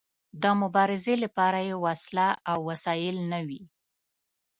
د مبارزې لپاره يې وسله او وسايل نه وي.